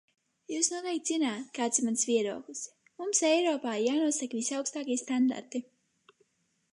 Jūs noteikti zināt, kāds ir mans viedoklis: mums Eiropā jānosaka visaugstākie standarti.